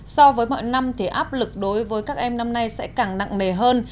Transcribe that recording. so với mọi năm thì áp lực đối với các em năm nay sẽ càng nặng nề hơn